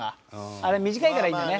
あれ短いからいいんだね。